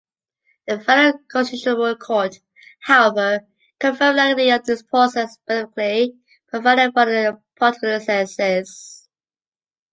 The Federal Constitutional Court, however, confirmed the legality of this process, specifically provided for in the “Parteiengesetz”.